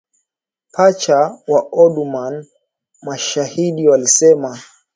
pacha wa Omdurman mashahidi walisema